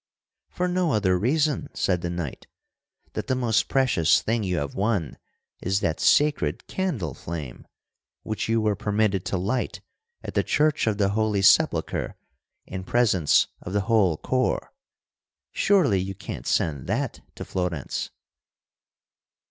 "For no other reason," said the knight, "than that the most precious thing you have won is that sacred candle flame, which you were permitted to light at the church of the Holy Sepulchre in presence of the whole corps. Surely you can't send that to Florence!"